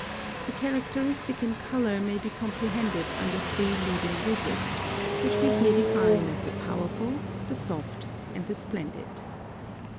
The characteristic in colour may be comprehended under three leading rubrics, which we here define as the powerful, the soft, and the splendid.